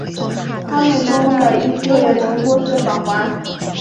他们中的一些人曾多次访华。